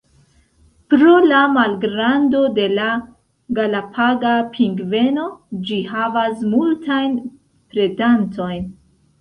Pro la malgrando de la Galapaga pingveno, ĝi havas multajn predantojn.